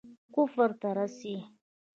کفر ته رسي.